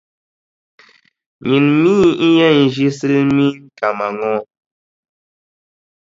Nyini mi n-yɛn ʒi silimiinʼ kama ŋɔ.